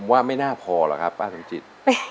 ว่าไม่น่าพอหรอกครับป้าสมจิต